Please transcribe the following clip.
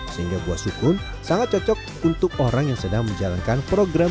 sehingga buah sukun sangat cocok untuk orang yang sedang menjalankan program